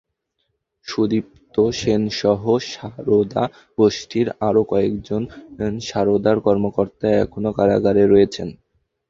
সুদীপ্ত সেনসহ সারদা গোষ্ঠীর আরও কয়েকজন সারদার কর্মকর্তা এখন কারাগারে রয়েছেন।